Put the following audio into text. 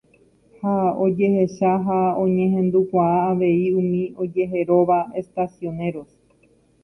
ha ojehecha ha oñehendukuaa avei umi ojeheróva Estacioneros